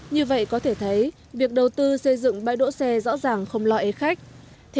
như vậy có thể thấy việc đầu tư xây dựng bãi đỗ xe rõ ràng không lo ế khách